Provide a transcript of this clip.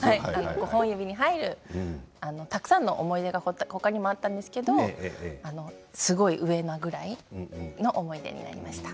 ５本指に入るたくさんの思い出はほかにもあったんですけどすごい上なぐらいの思い出になりました。